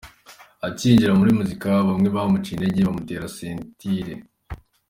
Acyinjira muri muzika bamwe bamuciye intege…bamutera ‘sentiri’.